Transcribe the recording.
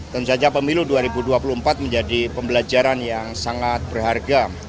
tentu saja pemilu dua ribu dua puluh empat menjadi pembelajaran yang sangat berharga